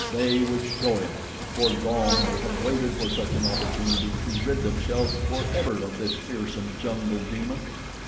They would show him! For long they had waited for such an opportunity to rid themselves forever of this fearsome jungle demon.